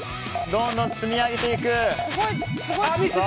どんどん積み上げていく。